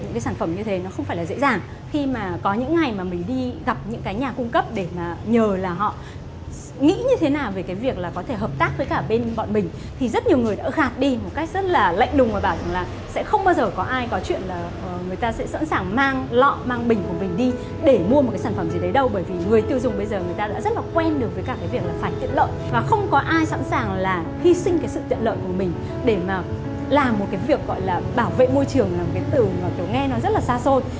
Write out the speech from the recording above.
bây giờ người ta đã rất là quen được với cả cái việc là phải tiện lợi và không có ai sẵn sàng là hy sinh cái sự tiện lợi của mình để mà làm một cái việc gọi là bảo vệ môi trường là một cái từ mà kiểu nghe nó rất là xa xôi